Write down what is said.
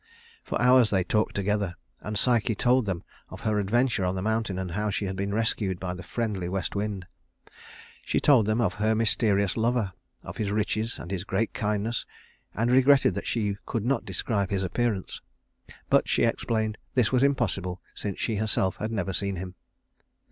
For hours they talked together, and Psyche told them of her adventure on the mountain and how she had been rescued by the friendly west wind. She told them of her mysterious lover, of his riches and his great kindness, and regretted that she could not describe his appearance; but, she explained, this was impossible since she herself had never seen him.